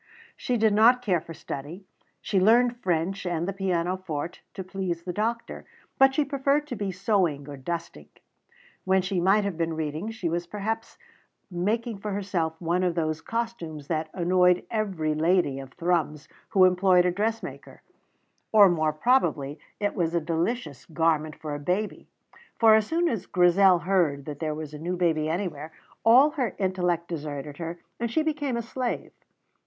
She did not care for study. She learned French and the pianoforte to please the doctor; but she preferred to be sewing or dusting. When she might have been reading, she was perhaps making for herself one of those costumes that annoyed every lady of Thrums who employed a dressmaker; or, more probably, it was a delicious garment for a baby; for as soon as Grizel heard that there was a new baby anywhere, all her intellect deserted her, and she became a slave.